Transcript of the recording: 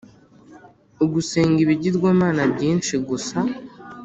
Ugusenga ibigirwamana byinshi gusa